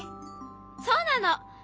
そうなの！